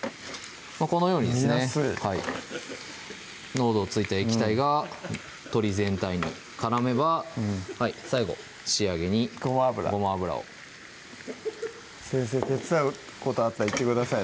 このようにですね見えやすい濃度ついた液体が鶏全体に絡めば最後仕上げにごま油ごま油を先生手伝うことあったら言ってください